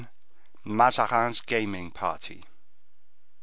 Mazarin's Gaming Party.